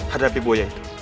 hadapi boya itu